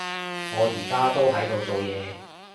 我而家都喺度做嘢